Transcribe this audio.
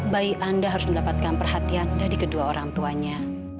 bayi anda harus mendapatkan perhatian dari kedua orang tuanya